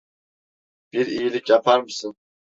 Bir iyilik yapar mısın?